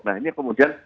nah ini kemudian